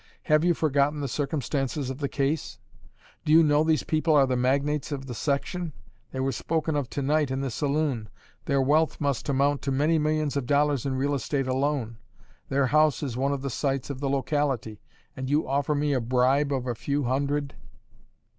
"Have you forgotten the circumstances of the case? Do you know these people are the magnates of the section? They were spoken of to night in the saloon; their wealth must amount to many millions of dollars in real estate alone; their house is one of the sights of the locality, and you offer me a bribe of a few hundred!"